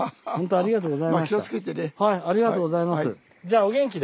ありがとうございます。